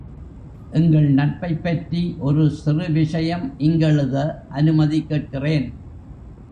எங்கள் நட்பைப்பற்றி ஒரு சிறு விஷயம் இங்கெழுத அனுமதி கேட்கிறேன்.